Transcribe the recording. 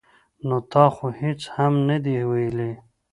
ـ نو تا خو هېڅ هم نه دي ویلي.